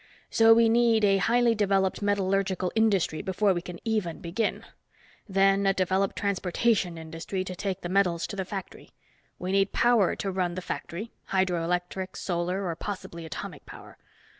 So we need a highly developed metallurgical industry before we can even begin. Then a developed transportation industry to take metals to the factory. We need power to run the factory, hydro electric, solar, or possibly atomic power.